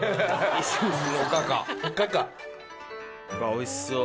おいしそう。